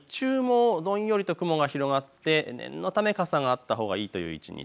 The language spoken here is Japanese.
日中もどんよりと雲が広がって念のため傘があったほうがいいという一日。